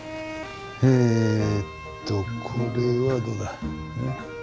えっとこれはどうだ。